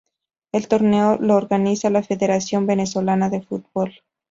El torneo lo organiza la Federación Venezolana de Fútbol.